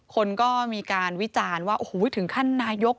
คนก็มีการวิจารณ์ว่าโอ้โหถึงขั้นนายก